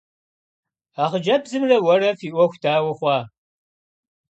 А хъыджэбзымрэ уэрэ фи Ӏуэху дауэ хъуа?